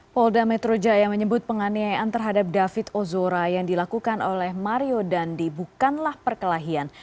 polda metro jaya menyebut penganiayaan terhadap david ozora yang dilakukan oleh mario dandi bukanlah perkelahian